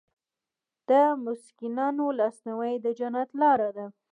د مسکینانو لاسنیوی د جنت لاره ده.